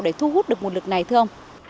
để thu hút được nguồn lực này thưa ông